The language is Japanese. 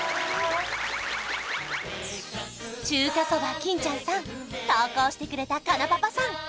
中華そば金ちゃんさん投稿してくれたかなパパさん